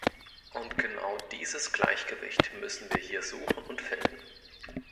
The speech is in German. Und genau dieses Gleichgewicht müssen wir hier suchen und finden.